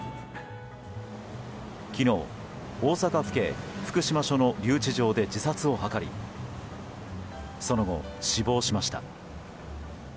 昨日、大阪府警福島署の留置場で自殺を図りその後、死亡しました。